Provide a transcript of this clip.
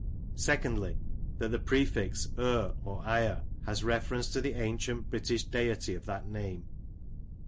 Secondly, That the prefix Ir, or Ire, has reference to the ancient British deity of that name.